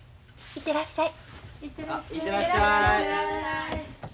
行ってらっしゃい。